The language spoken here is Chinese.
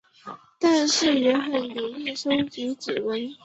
但是也很容易收集指纹。